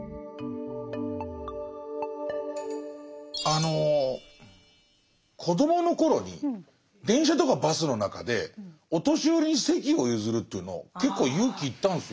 あの子どもの頃に電車とかバスの中でお年寄りに席を譲るというの結構勇気いったんですよ。